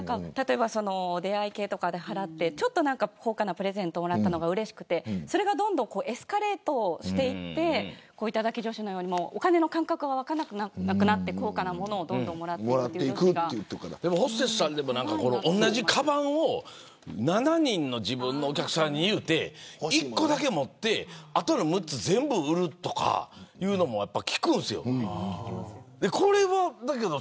出会い系とかで払って高価なプレゼントをもらったのがうれしくて、それがどんどんエスカレートして頂き女子のようにお金の感覚が分からなくなってホステスさんでも同じかばんを７人のお客さんに言って１個だけ持ってあとの６つは全部売るとか聞くんですよ。